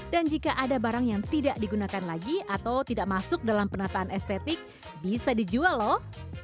dan jika ada barang yang tidak digunakan lagi atau tidak masuk dalam penataan estetik bisa dijual loh